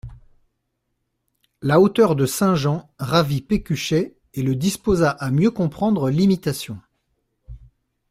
La hauteur de saint Jean ravit Pécuchet, et le disposa à mieux comprendre l'Imitation.